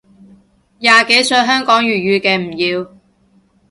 廿幾歲香港粵語嘅唔要